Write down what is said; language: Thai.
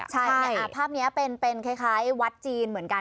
ใช่ภาพนี้เป็นคล้ายวัดจีนเหมือนกัน